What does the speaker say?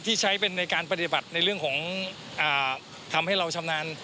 ใช้เป็นในการปฏิบัติในเรื่องของทำให้เราชำนาญ